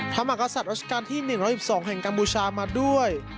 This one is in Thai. พระมักอาสัตวรรษการที่๑๑๒แห่งกาบูชามาด้วย